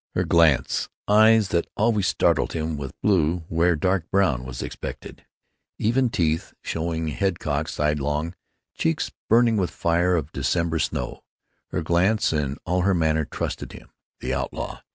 Her glance—eyes that always startled him with blue where dark brown was expected; even teeth showing; head cocked sidelong; cheeks burning with fire of December snow—her glance and all her manner trusted him, the outlaw.